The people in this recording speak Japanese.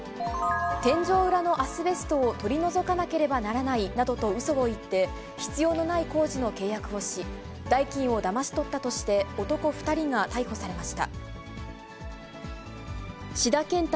天井裏のアスベストを取り除かなければならないなどとうそを言って、必要のない工事の契約をし、代金をだまし取ったとして、男２人が逮捕されました。